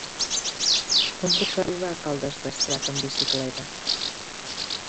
Com puc arribar a Caldes d'Estrac amb bicicleta?